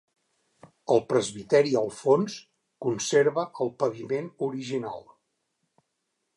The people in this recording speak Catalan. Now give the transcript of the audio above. El presbiteri al fons, conserva el paviment original.